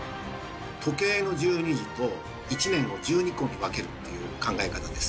時計の１２時と１年を１２個に分けるという考え方です。